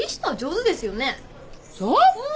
そう？